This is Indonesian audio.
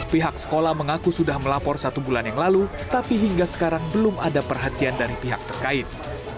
pihak sekolah mengaku sudah melapor satu bulan yang lalu tapi hingga sekarang belum ada perhatian dari pihak terkait